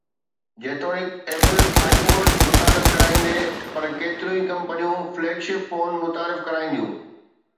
جيتوڻيڪ Apple iPod متعارف ڪرائيندي پر ڪيتريون ئي ڪمپنيون فليگ شپ فون متعارف ڪرائينديون